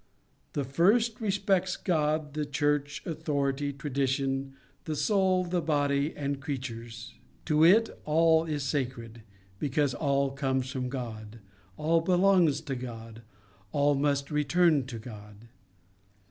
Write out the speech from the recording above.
The first respects God, the Church, authority, tradition, the soul, the body, and creatures. To it, all is sacred, because all comes from God, all belongs to God, all must return to God.